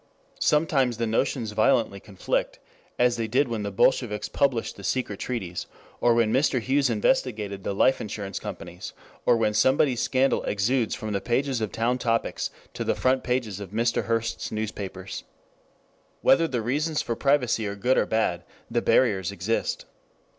Sometimes the notions violently conflict, as they did when the bolsheviks published the secret treaties, or when Mr. Hughes investigated the life insurance companies, or when somebody's scandal exudes from the pages of Town Topics to the front pages of Mr. Hearst's newspapers. Whether the reasons for privacy are good or bad, the barriers exist.